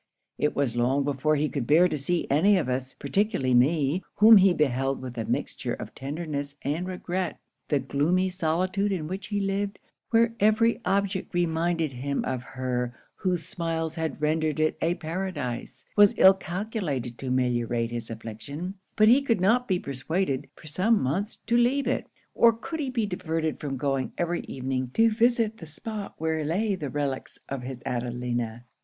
'It was long before he could bear to see any of us; particularly me, whom he beheld with a mixture of tenderness and regret. The gloomy solitude in which he lived, where every object reminded him of her whose smiles had rendered it a paradise, was ill calculated to meliorate his affliction; but he could not be persuaded, for some months, to leave it, or could he be diverted from going every evening to visit the spot where lay the relicts of his Adelina.